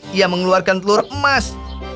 dia mengeluarkan telur emas